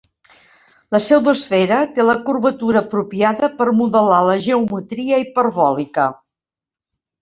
La pseudoesfera té la curvatura apropiada per modelar la geometria hiperbòlica.